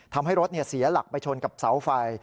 ทำให้รถเสียหลักไปชนกับเสาไฟ